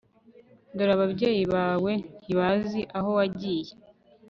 dore ababyeyi bawez ntibazi aho wagiye